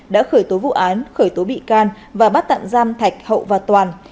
đã khởi tố vụ án khởi tố bị can và bắt tạm giam thạch hậu và toàn